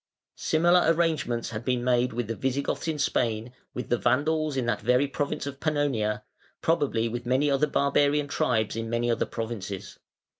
Similar arrangements had been made with the Visigoths in Spain, with the Vandals in that very province of Pannonia, probably with many other barbarian tribes in many other provinces.